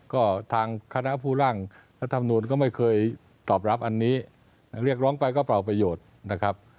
ก็ทางคณะผู้ร่างรัฐมนุนก็ไม่เคยตอบรับอันนี้เรียกร้องไปก็เป่าประโยชน์นะครับ